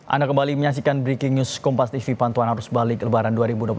anda kembali menyaksikan breaking news kompas tv pantuan arus balik lebaran dua ribu dua puluh tiga